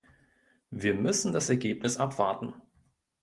Wir müssen das Ergebnis abwarten.